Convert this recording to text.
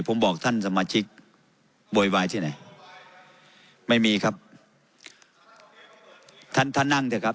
ผมบอกท่านสมาชิกโวยวายที่ไหนไม่มีครับท่านท่านนั่งเถอะครับ